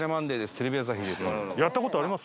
「テレビ朝日です」。